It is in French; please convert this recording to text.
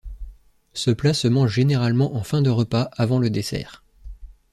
Ce plat se mange généralement en fin de repas avant le dessert.